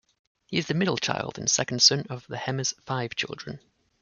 He is the middle child and second son of the Hemmers' five children.